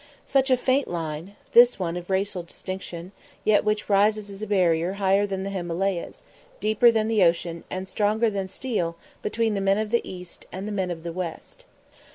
Such a faint line, this one of racial distinction, yet which rises as a barrier higher than the Himalayas, deeper than the ocean, and stronger than steel between the men of the East and the men of the West.